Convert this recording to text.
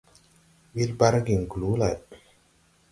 Ɓil bargiŋ kluu lay.